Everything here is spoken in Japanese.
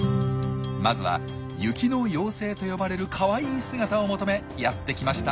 まずは「雪の妖精」と呼ばれるかわいい姿を求めやってきました